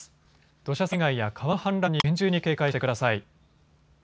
土砂災害や川の氾濫に厳重に警戒してください。